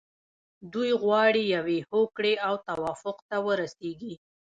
دوی غواړي یوې هوکړې او توافق ته ورسیږي.